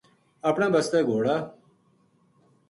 اپنے بسطے گھوڑا